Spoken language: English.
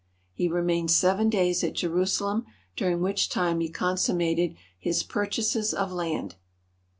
He remained seven days at Je rusalem, during which time he consummated his pur chases of land.